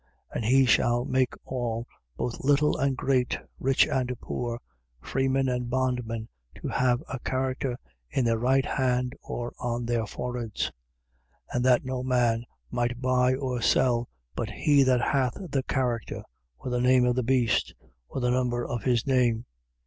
13:16. And he shall make all, both little and great, rich and poor, freemen and bondmen, to have a character in their right hand or on their foreheads: 13:17. And that no man might buy or sell, but he that hath the character, or the name of the beast, or the number of his name.